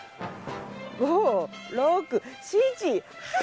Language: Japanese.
５６７８！